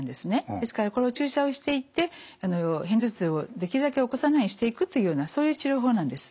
ですから注射をしていって片頭痛をできるだけ起こさないようにしていくというようなそういう治療法なんです。